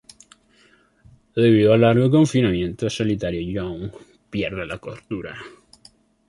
Debido al largo confinamiento solitario Young pierde la cordura.